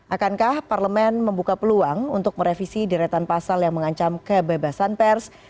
akankah parlemen membuka peluang untuk merevisi deretan pasal yang mengancam kebebasan pers